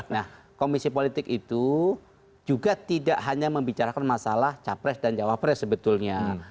nah komisi politik itu juga tidak hanya membicarakan masalah capres dan cawapres sebetulnya